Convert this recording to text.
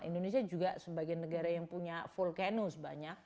indonesia juga sebagai negara yang punya vulkanus banyak